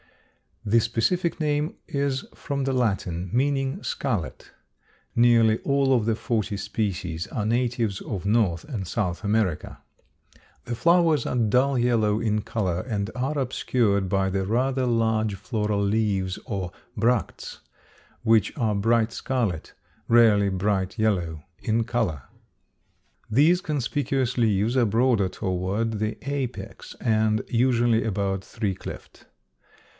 The specific name is from the Latin, meaning scarlet. Nearly all of the forty species are natives of North and South America. The flowers are dull yellow in color and are obscured by the rather large floral leaves or bracts, which are bright scarlet rarely bright yellow in color. These conspicuous leaves are broader toward the apex and usually about three cleft.